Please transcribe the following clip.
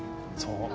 そう。